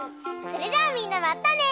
それじゃあみんなまたね！